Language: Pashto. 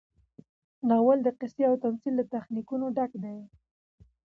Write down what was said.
ناول د قصې او تمثیل له تخنیکونو ډک دی.